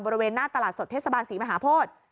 บริเวณหน้าตลาดสดเทศบาลศรีมหาโพธิ